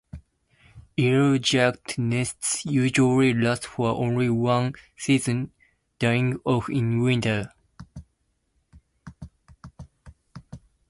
Yellowjacket nests usually last for only one season, dying off in winter.